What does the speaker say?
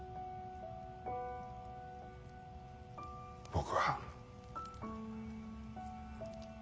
僕は。